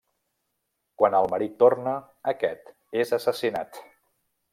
Quan el marit torna, aquest és assassinat.